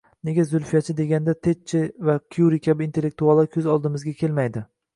Nega Zulfiyachi deganda Tetcher va Kyuri kabi intellektuallar ko‘z oldimizga kelmaydi?